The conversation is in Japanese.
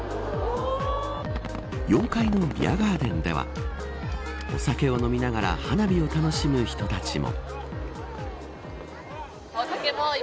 ４階のビアガーデンではお酒を飲みながら花火を楽しむ人たちも。